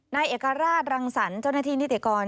นายเอกราชรังสรรจ้นที่นิติกร